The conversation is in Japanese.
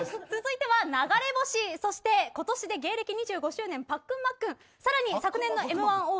続いては流れ星☆そして今年で芸歴２５周年パックンマックン。